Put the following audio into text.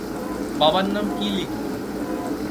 বাবার নাম কি লিখবো?